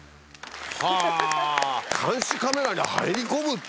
はぁ監視カメラに入り込むって！